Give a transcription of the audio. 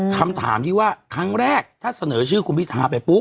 คำถามที่ว่าครั้งแรกถ้าเสนอชื่อคุณพิทาไปปุ๊บ